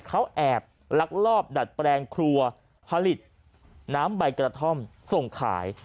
เขาแอบลักลอบดัดแปลงครัวผลิตน้ำใบกระท่อมส่งขาย